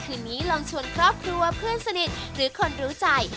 คืนนี้ลองชวนครอบครัวเพื่อนสนิทหรือคนรู้ใจ